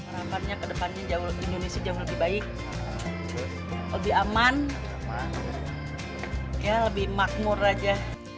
harapannya ke depannya indonesia jauh lebih baik lebih aman ya lebih makmur aja